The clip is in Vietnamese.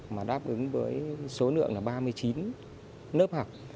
mà đáp ứng với số lượng là ba mươi chín lớp học